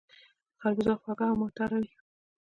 خربوزه خوږه او معطره وي